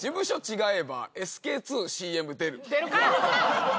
出るか！